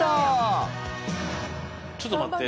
ちょっと待って。